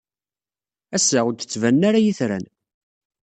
Ass-a, ur d-ttbanen ara yitran.